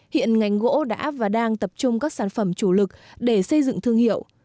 hiện ngành gỗ đã và đang tập trung các sản phẩm chủ lực để xây dựng thương hiệu